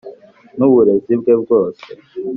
n úburézi bwé bwose